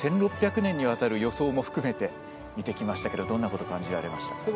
１６００年にわたる予想も含めて見てきましたけれどもどんなこと感じられました？